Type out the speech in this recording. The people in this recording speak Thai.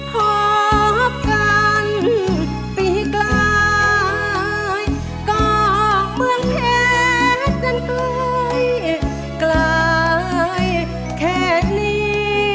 พบกันไปให้ไกลกรอกเมืองแค่จนไกลไกลแค่นี้